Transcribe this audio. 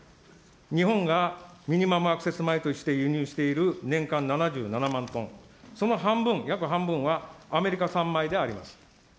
日本がミニマムアクセス米として輸入している年間７７万トン、その半分、約半分はアメリカ産米であります。